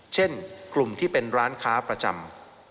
เช่นกลุ่มที่เป็นร้านค้าประจำ